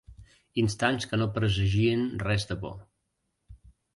Instants que no presagien res de bo.